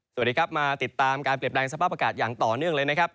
สวัสดีครับมาติดตามการเปลี่ยนแปลงสภาพอากาศอย่างต่อเนื่องเลยนะครับ